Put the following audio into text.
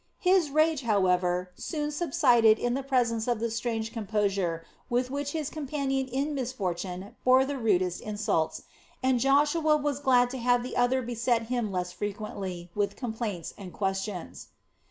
His rage, however, soon subsided in the presence of the strange composure with which his companion in misfortune bore the rudest insults, and Joshua was glad to have the other beset him less frequently with complaints and questions.